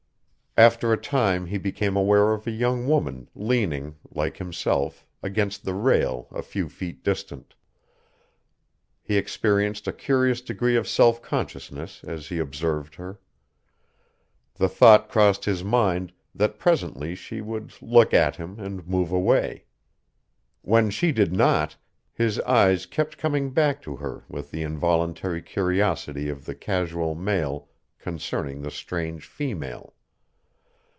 After a time he became aware of a young woman leaning, like himself, against the rail a few feet distant. He experienced a curious degree of self consciousness as he observed her. The thought crossed his mind that presently she would look at him and move away. When she did not, his eyes kept coming back to her with the involuntary curiosity of the casual male concerning the strange female.